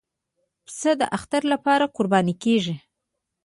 پسه د اختر لپاره قرباني کېږي.